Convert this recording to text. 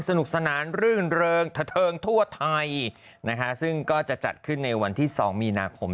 สนุกสนานรื่นเริงทะเทิงทั่วไทยนะคะซึ่งก็จะจัดขึ้นในวันที่๒มีนาคม